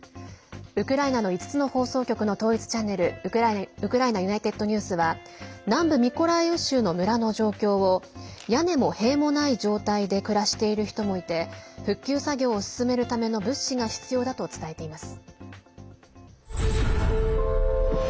ウクライナの５つの放送局の統一チャンネルウクライナＵｎｉｔｅｄＮｅｗｓは南部ミコライウ州の村の状況を屋根も塀もない状態で暮らしている人もいて復旧作業を進めるための物資が必要だと伝えています。